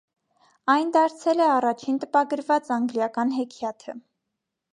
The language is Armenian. Այն դարձել է առաջին տպագրված անգլիական հեքիաթը։